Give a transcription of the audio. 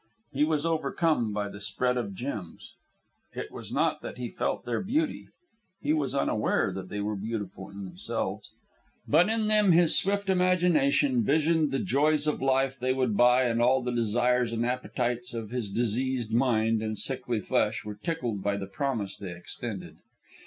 He was overcome by the spread of gems. It was not that he felt their beauty. He was unaware that they were beautiful in themselves. But in them his swift imagination visioned the joys of life they would buy, and all the desires and appetites of his diseased mind and sickly flesh were tickled by the promise they extended.